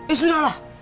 eh sudah lah